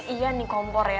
ih ini si ian nih kompor ya